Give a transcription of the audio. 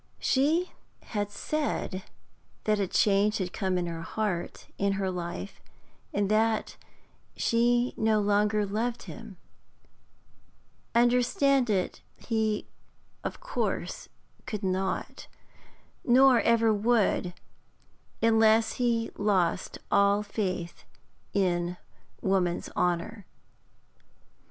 She had said that a change had come in her heart, in her life, and that she no longer loved him. Understand it he of course could not, nor ever would, unless he lost all faith in woman's honour.